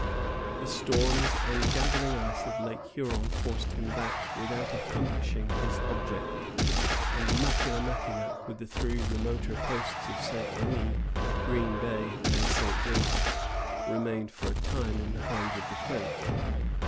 The storms and gathering ice of Lake Huron forced him back without accomplishing his object; and Michillimackinac, with the three remoter posts of St. Marie, Green Bay, and St. Joseph, remained for a time in the hands of the French.